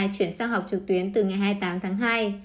chuyển sang học trực tuyến từ ngày hai mươi tám tháng hai